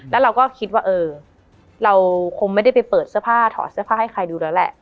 แล้วเราก็คิดว่าเออเราคงไม่ได้ไปเปิดเสื้อผ้าถอดเสื้อผ้าให้ใครดูแล้วแหละ